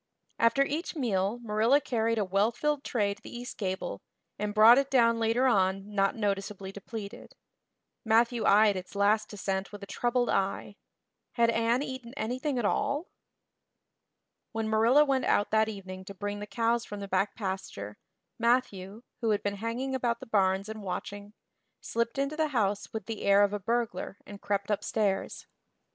After each meal Marilla carried a well filled tray to the east gable and brought it down later on not noticeably depleted. Matthew eyed its last descent with a troubled eye. Had Anne eaten anything at all? When Marilla went out that evening to bring the cows from the back pasture, Matthew, who had been hanging about the barns and watching, slipped into the house with the air of a burglar and crept upstairs.